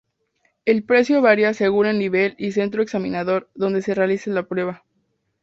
El precio varía según el nivel y centro examinador donde se realice la prueba.